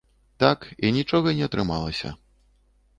Так, і нічога не атрымалася.